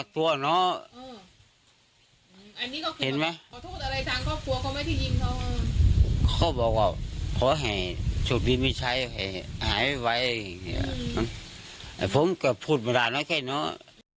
แต่ผมก็พูดมาหลายน้อยแค่น้อย